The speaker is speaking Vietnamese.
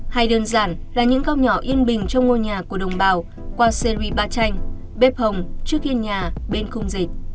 hay đơn giản là những góc nhỏ yên bình trong ngôi nhà của đồng bào qua series ba tranh bếp hồng trước yên nhà bên khung dịch